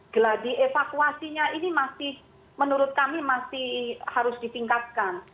geladi evakuasinya ini masih menurut kami masih harus ditingkatkan